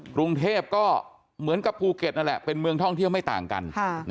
กรุงเทพก็เหมือนกับภูเก็ตนั่นแหละเป็นเมืองท่องเที่ยวไม่ต่างกัน